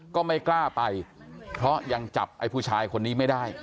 ก็ไม่กล้าไปเพราะยังจับไอ้ผู้ชายคนนี้ไม่ได้